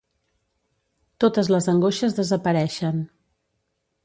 Totes les angoixes desapareixen.